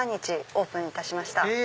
オープンいたしました。